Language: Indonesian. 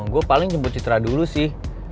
gue paling jemput citra dulu sih